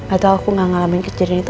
atau aku gak ngalamin kejadian itu